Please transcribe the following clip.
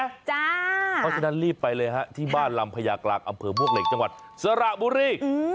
เพราะฉะนั้นรีบไปเลยฮะที่บ้านลำพญากลางอำเภอมวกเหล็กจังหวัดสระบุรี